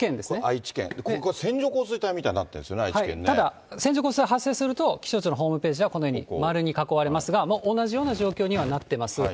愛知県、ここが線状降水帯みたいになってるんですよね、ただ、線状降水帯発生すると気象庁のホームページでは、このように丸に囲まれますが、同じような状況にはなってます。